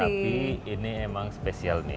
tapi ini emang spesial nih